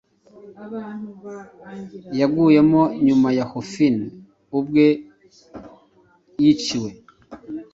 yaguyemo Nyuma yahoFinn ubwe yiciwe